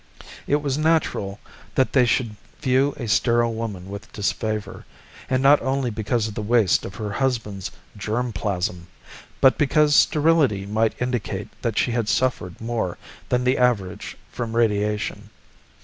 It was natural that they should view a sterile woman with disfavor, and not only because of the waste of her husband's germ plasm, but because sterility might indicate that she had suffered more than the average from radiation.